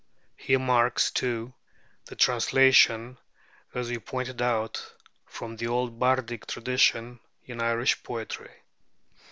He marks too the transition, as we pointed out, from the old bardic tradition in Irish poetry.